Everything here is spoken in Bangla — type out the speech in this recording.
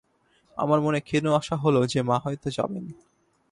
আমার মনে ক্ষীণ আশা হল যে মা হয়তো যাবেন।